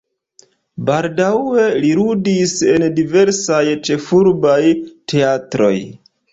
Baldaŭe li ludis en diversaj ĉefurbaj teatroj.